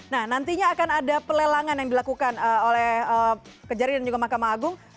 nah nantinya akan ada pelelangan yang dilakukan oleh kejari dan juga mahkamah agung